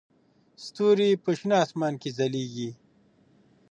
ستوري په شنه اسمان کې ځلېږي.